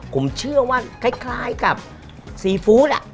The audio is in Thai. ผมเชื่อว่าคล้ายกับซีฟู้ดแหละ